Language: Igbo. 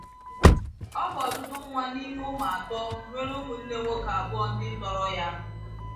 Ọ bụ ọdụdụ nwa n’ime ụmụ atọ, nwere ụmụnne nwoke abụọ ndị tọrọ ya.